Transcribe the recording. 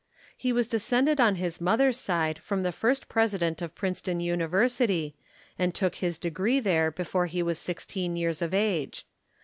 He was descended on his mother's side from the first president of Princeton University and took his degree there before he was sixteen years of age.